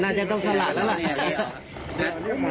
น่าจะต้องขนาดนั้นแหละ